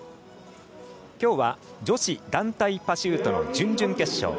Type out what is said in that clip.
きょうは、女子団体パシュートの準々決勝。